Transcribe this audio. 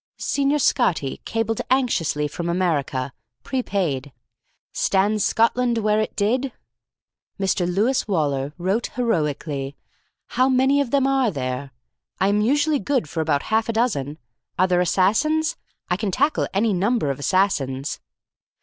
Signor Scotti cabled anxiously from America (prepaid): "Stands Scotland where it did?" Mr. Lewis Waller wrote heroically: "How many of them are there? I am usually good for about half a dozen. Are they assassins? I can tackle any number of assassins."